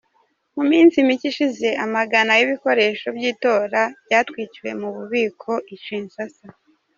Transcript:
Mu minsi mike ishize amagana y’ibikoresho by’itora byatwikiwe mu bubiko i Kinshasa.